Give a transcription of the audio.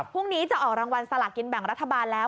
พรุ่งนี้จะออกรางวัลสลากินแบ่งรัฐบาลแล้ว